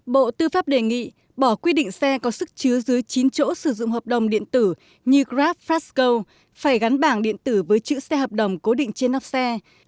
bộ tư pháp đề nghị bỏ quy định xe có sức chứa dưới chín chỗ sử dụng hợp đồng điện tử như grab frasco phải gắn bảng điện tử với chữ xe hợp đồng cố định trên nắp xe